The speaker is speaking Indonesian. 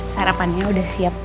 sarapannya udah siap